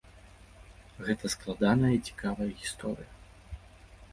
Гэта складаная і цікавая гісторыя.